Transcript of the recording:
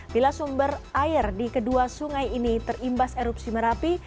bila sumber air di kedua sungai ini terimbas erupsi merapi